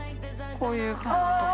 こういう感じとか。